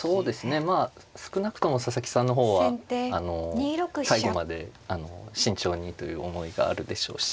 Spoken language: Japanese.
まあ少なくとも佐々木さんの方はあの最後まで慎重にという思いがあるでしょうし。